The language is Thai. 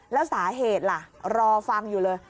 แล้วสาเหตุล่ะรอฟังอยู่เลย